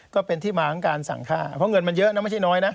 ก็เป็นที่มาของการสั่งค่าเพราะเงินมันเยอะนะไม่ใช่น้อยนะ